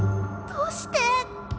どうして！？